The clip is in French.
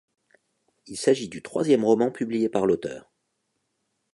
Il s'agit du troisième roman publié par l'auteur.